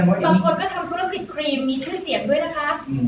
บางคนก็ทำธุรกิจครีมมีชื่อเสียงด้วยนะคะ